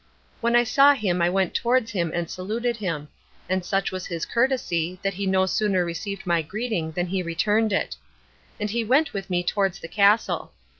When I saw him I went towards him and saluted him; and such was his courtesy, that he no sooner received my greeting than he returned it. And he went with me towards the castle.